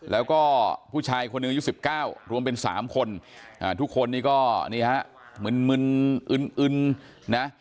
แล้วก็ผู้ชายคนอื่น๑๙รวมเป็น๓คนทุกคนนี้ก็มึนอึนนะ